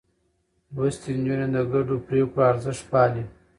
لوستې نجونې د ګډو پرېکړو ارزښت پالي.